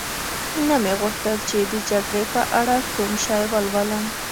نه مې غوښتل چي د جګړې په اړه کوم شی ولولم.